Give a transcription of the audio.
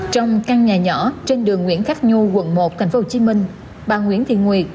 trong căn nhà nhỏ trên đường nguyễn khắc nhu quận một tp hcm bà nguyễn thị nguyệt